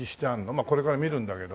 まあこれから見るんだけど。